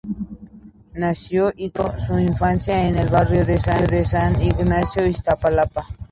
Nació y creció su infancia en el barrio de San Ignacio, Iztapalapa.